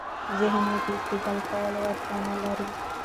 ذهن يې د استدلال کولو وړتیا نلري.